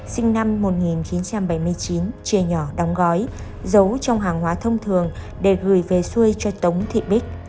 sinh năm một nghìn chín trăm bảy mươi chín chia nhỏ đóng gói giấu trong hàng hóa thông thường để gửi về xuôi cho tống thị bích